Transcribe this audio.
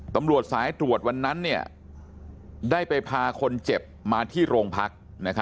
ตำรวจสายตรวจวันนั้นได้ไปพาคนเจ็บมาที่โรงพัก